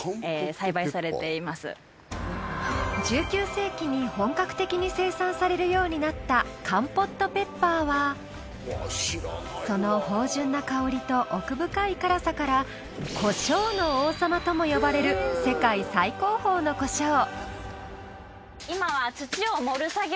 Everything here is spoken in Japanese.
１９世紀に本格的に生産されるようになったカンポットペッパーはその芳醇な香りと奥深い辛さからコショウの王様とも呼ばれる世界最高峰のコショウ。